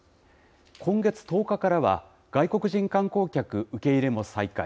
今月１０日からは、外国人観光客受け入れも再開。